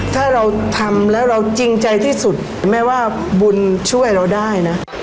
ถ้าเราทำแล้วเราจริงใจที่สุดแม้ว่าบุญช่วยเราได้นะ